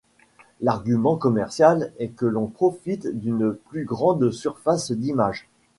L’argument commercial est que l’on profite d’une plus grande surface d’image.